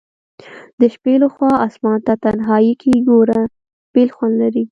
د شپي لخوا آسمان ته تنهائي کي ګوره بیل خوند لري